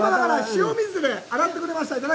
塩水で洗ってくれました。